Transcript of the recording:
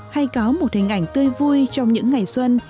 hay có một hình ảnh tươi vui trong những ngày xuân